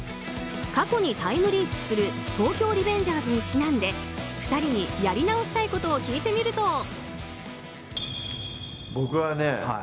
過去にタイムリープする「東京リベンジャーズ」にちなんで２人にやり直したいことを聞いてみると。